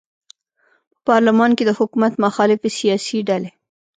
په پارلمان کې د حکومت مخالفې سیاسي ډلې